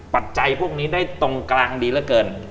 ปัจจัยพวกนี้ได้ตรงกลางดีเหลือเกิน